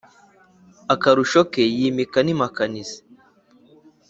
Akarusho ke yimika n’impakanizi.